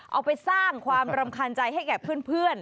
เอาไปสร้างความรำคาญใจให้แก่เพื่อน